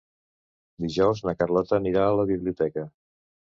Dijous na Carlota anirà a la biblioteca.